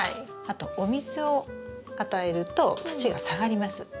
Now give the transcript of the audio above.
あとお水を与えると土が下がります。